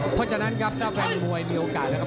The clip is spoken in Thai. เพราะฉะนั้นครับถ้าแฟนมวยมีโอกาสนะครับ